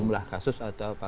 jumlah kasus atau apa